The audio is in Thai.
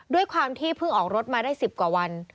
ด้วยความที่เพิ่งออกรถมาได้๑๐กว่าวัน